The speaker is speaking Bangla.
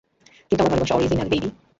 কিন্তু আমার ভালোবাসা অরিজিনাল, বেবি!